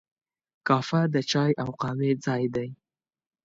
کافه د چای او قهوې ځای دی.